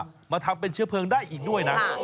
กินไม้มาย่ามาทำเป็นเชื้อเพลิงได้อีกด้วยนะ